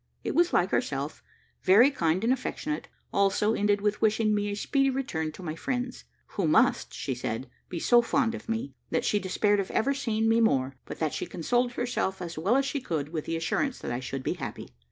It was like herself, very kind and affectionate; and also ended with wishing me a speedy return to my friends, who must (she said) be so fond of me, that she despaired of ever seeing me more, but that she consoled herself as well as she could with the assurance that I should be happy.